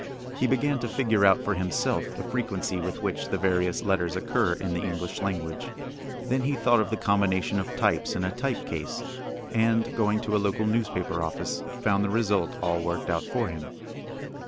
He began to figure out for himself the frequency with which the various letters occur in the English language. Then he thought of the combination of types in a type case, and, going to a local newspaper office, found the result all worked out for him.